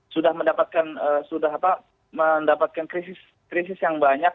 sudah mendapatkan krisis yang banyak